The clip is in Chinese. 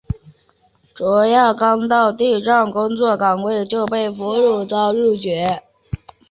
卓娅刚到达她工作岗位就被俘并遭处决。